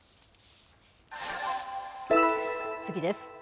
次です。